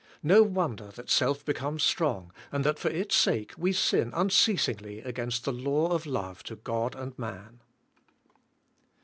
No wonder that self becomes strong and that for its sake we sin unceasinglj against the law of love to God and man.